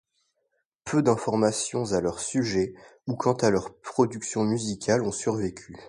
Peu d'informations à leur sujet ou quant à leur production musicale ont survécu.